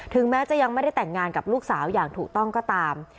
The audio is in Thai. แม้จะยังไม่ได้แต่งงานกับลูกสาวอย่างถูกต้องก็ตาม